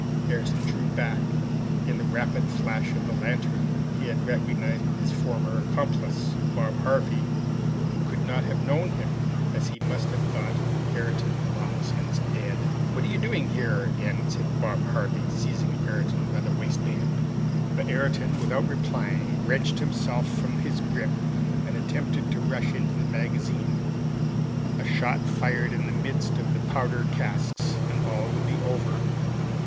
Ayrton drew back. In the rapid flash of the lantern, he had recognized his former accomplice, Bob Harvey, who could not have known him, as he must have thought Ayrton long since dead. "What are you doing here?" again said Bob Harvey, seizing Ayrton by the waistband. But Ayrton, without replying, wrenched himself from his grasp and attempted to rush into the magazine. A shot fired into the midst of the powder casks, and all would be over!